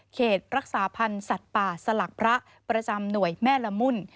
เขตรักษาพันธ์สัตว์ป่าสลักพระประจำหน่วยแม่ละมุ่น